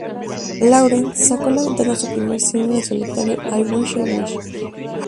Lauren sacó a la venta su primer single en solitario "I Wish I Wish".